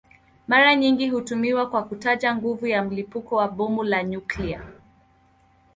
Mara nyingi hutumiwa kwa kutaja nguvu ya mlipuko wa bomu la nyuklia.